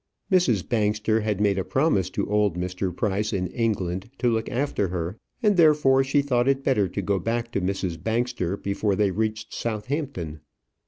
Mrs. Bangster had made a promise to old Mr. Price in England to look after her; and, therefore, she thought it better to go back to Mrs. Bangster before they reached Southampton.